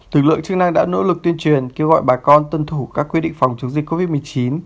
lực lượng chức năng đã nỗ lực tuyên truyền kêu gọi bà con tuân thủ các quy định phòng chống dịch covid một mươi chín